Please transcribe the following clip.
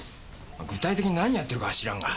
具体的に何やってるかは知らんが。